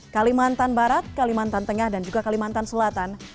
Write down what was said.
kalimantan barat kalimantan tengah dan juga kalimantan selatan